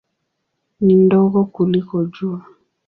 Ni ndogo kuliko Jua.